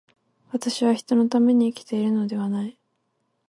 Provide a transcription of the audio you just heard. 私は人のために生きているのではない。